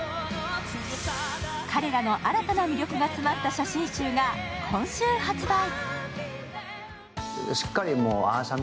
彼らの新たな魅力が詰まった写真集が今週発売。